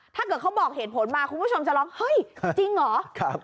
ถ้าเกิดเขาบอกเหตุผลมาคุณผู้ชมจะร้องเฮ้ยจริงเหรอ